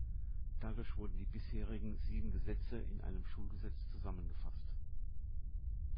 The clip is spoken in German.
Dadurch wurden die bisherigen sieben Gesetze in einem Schulgesetz zusammengefasst.